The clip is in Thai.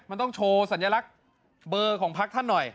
มันต้องโชว์สัญลักษณ์เบอร์ของพักท่านหน่อย